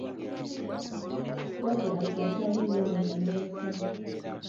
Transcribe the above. Wabula nga taliiwo we yamuleka.